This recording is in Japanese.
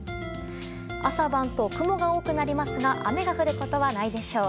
朝晩と雲が多くなりますが雨が降ることはないでしょう。